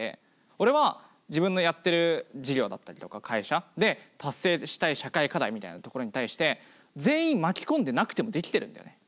俺は自分のやっている事業だったりとか会社で達成したい社会課題みたいなところに対して全員巻き込んでなくてもできてるんだよね。